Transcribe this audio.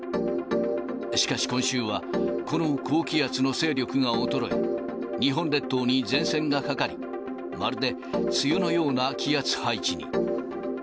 しかし今週は、この高気圧の勢力が衰え、日本列島に前線がかかり、まるで梅雨のような気圧配置に。